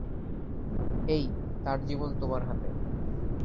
এই, তার জীবন তোমার হাতে।